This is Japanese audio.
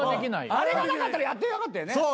あれがなかったらやってなかったよね。